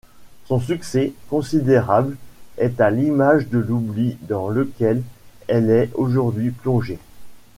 Son succès, considérable, est à l'image de l'oubli dans lequel elle est aujourd'hui plongée.